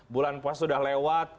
bulan puas sudah lewat